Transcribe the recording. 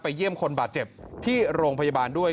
เยี่ยมคนบาดเจ็บที่โรงพยาบาลด้วย